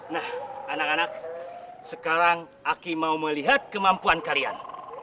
nah anak anak sekarang aki mau melihat kemampuan kalian